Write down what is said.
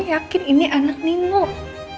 sebaiknya cuaca terus